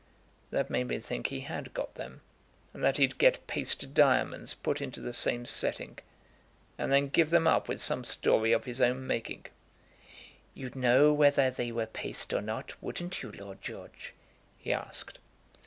That made me think he had got them, and that he'd get paste diamonds put into the same setting, and then give them up with some story of his own making. 'You'd know whether they were paste or not; wouldn't you, Lord George?' he asked."